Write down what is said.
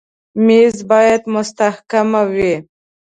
مېز باید مستحکم وي.